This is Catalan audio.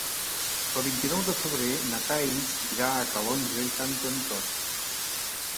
El vint-i-nou de febrer na Thaís irà a Calonge i Sant Antoni.